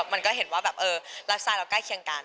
มันก็เห็นว่าแบบไลฟ์สไตล์เราใกล้เคียงกัน